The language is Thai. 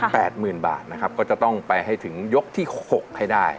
หมื่นบาทนะครับก็จะต้องไปให้ถึงยกที่หกให้ได้